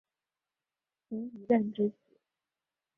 徐以任之子。